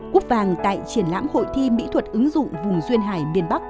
cúp vàng tại triển lãm hội thi mỹ thuật ứng dụng vùng duyên hải miền bắc